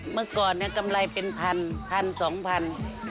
เมื่อก่อนกำไรเป็น๑๐๐๐๒๐๐๐บาท